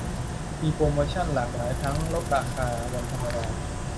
มีโปรโมชั่นหลากหลายทั้งลดราคาวันธรรมดา